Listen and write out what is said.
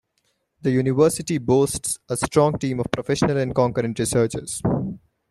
The university boasts a strong team of professional and concurrent researchers.